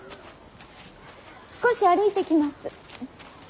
少し歩いてきます。